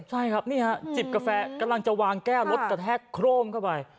ใช่ครับนี่ฮะจิบกาแฟกำลังจะวางแก้วรถกระแทกโครมเข้าไป